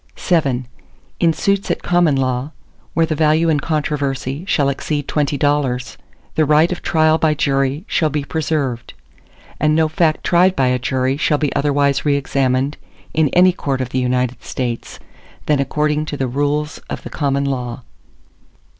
ARTICLE VII In suits at common law, where the value in controversy shall exceed twenty dollars, the right of trial by jury shall be preserved, and no fact tried by a jury shall be otherwise reexamined in any court of the United States, than according to the rules of the common law.